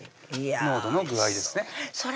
濃度の具合ですねそら